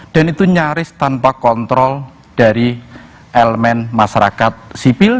dan itu nyaris tanpa kontrol dari elemen masyarakat sipil